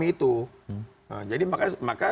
itu jadi maka